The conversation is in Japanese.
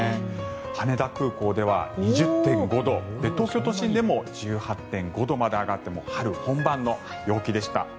羽田空港では２０．５度東京都心でも１８．５度まで上がって春本番の陽気でした。